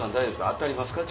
当たりますか？